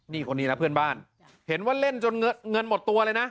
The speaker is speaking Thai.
นี่คนนี้นะเพื่อนบ้านเห็นว่าเล่นจนเงินหมดตัวเลยนะ